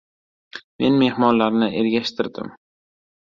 Men mehmonlarni ergashtirdim.